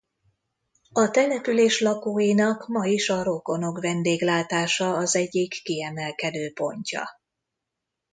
A település lakóinak ma is a rokonok vendéglátása az egyik kiemelkedő pontja.